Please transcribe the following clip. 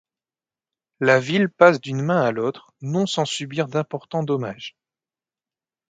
La ville passe d'une main à l'autre, non sans subir d'importants dommages.